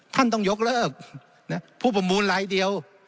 ท่านต้องยกเลิกผู้ประมูลรายเดียว